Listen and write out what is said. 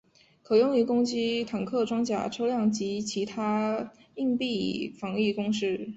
可用于攻击坦克装甲车辆及其它硬壁防御工事。